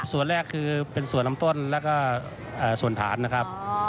ส่วนแรกคือเป็นส่วนลำต้นแล้วก็ส่วนฐานนะครับ